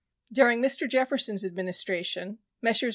During Mr. Jefferson's Administration Messrs.